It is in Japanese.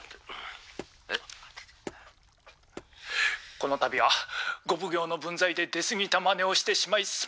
「この度は五奉行の分際で出過ぎたまねをしてしまいすみません！」。